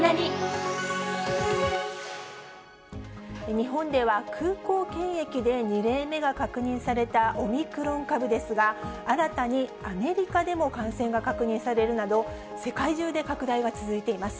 日本では、空港検疫で２例目が確認されたオミクロン株ですが、新たにアメリカでも感染が確認されるなど、世界中で拡大が続いています。